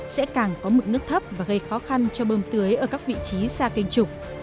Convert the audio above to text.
sẽ càng có mực nước thấp và gây khó khăn cho bơm tưới ở các vị trí xa kênh trục